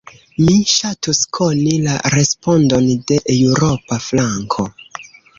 Mi ŝatus koni la respondon de eŭropa flanko.